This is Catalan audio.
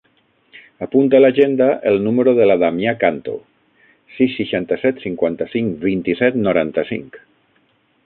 Apunta a l'agenda el número de la Damià Canto: sis, seixanta-set, cinquanta-cinc, vint-i-set, noranta-cinc.